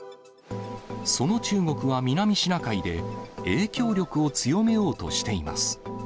その中国は南シナ海で、影響力を強めようとしています。